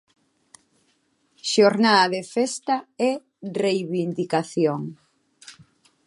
Xornada de festa e reivindicación.